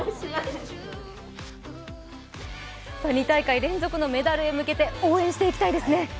２大会連続のメダルへ向けて応援していきたいですね。